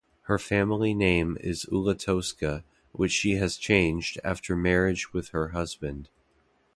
Her family name is Ulatowska, which she has changed after marriage with her husband.